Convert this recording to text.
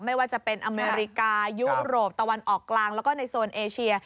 ไม่ว่าจะเป็นอเมริกายุโรปตะวันออกกลางแล้วก็ในโซนเอเชีย